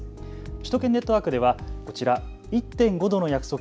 首都圏ネットワークではこちら１．５℃の約束